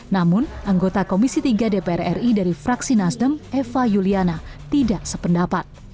namun anggota komisi tiga dpr ri dari fraksi nasdem eva yuliana tidak sependapat